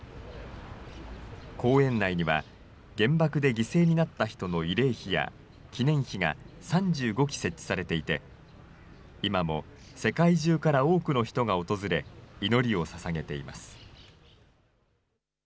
公園内には原爆で犠牲になった人の慰霊碑や、記念碑が３５基設置されていて、今も世界中から多くの人が訪れ、祈りをささげています。